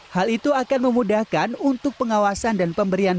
hal itu akan memudahkan untuk pengawasan dan pemberian